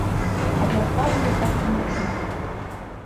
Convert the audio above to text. Але адказу я так і не атрымаў.